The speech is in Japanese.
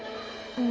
うん。